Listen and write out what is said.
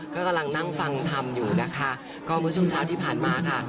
ก็กำลังนั่งฟังทำอยู่นะคะก็เมื่อช่วงเช้าที่ผ่านมาค่ะ